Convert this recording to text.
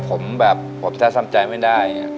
ผมแบบผมแท้สัมใจไม่ได้